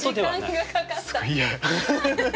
いや。